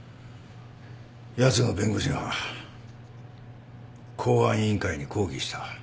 やつの弁護士が公安委員会に抗議した。